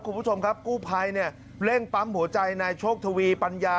คุณผู้ชมครับกู้ภัยเนี่ยเร่งปั๊มหัวใจนายโชคทวีปัญญา